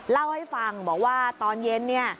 เล่าให้ฟังบอกว่าตอนเย็นเนี่ย